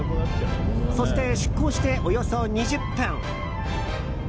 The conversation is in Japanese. そして出航して、およそ２０分。